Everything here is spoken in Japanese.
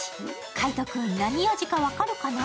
海音君、何味か分かるかな？